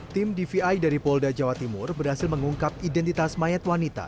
tim dvi dari polda jawa timur berhasil mengungkap identitas mayat wanita